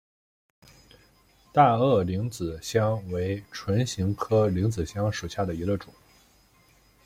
大萼铃子香为唇形科铃子香属下的一个种。